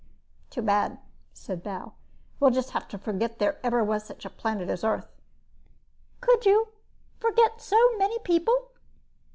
"Too bad," said Bal. "We'll just have to forget there ever was such a planet as Earth." "Could you? Forget so many people?"